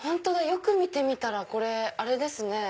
よく見てみたらこれあれですね。